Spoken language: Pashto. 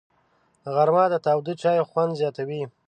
غرمه د تاوده چای خوند زیاتوي